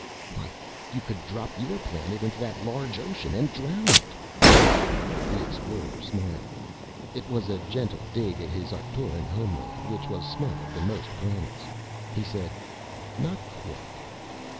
"Why, you could drop your planet into that large ocean and drown it." The Explorer smiled. It was a gentle dig at his Arcturian homeland, which was smaller than most planets. He said, "Not quite."